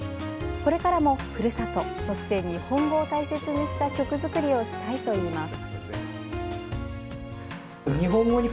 これからも、ふるさとそして、日本語を大切にした曲作りをしたいといいます。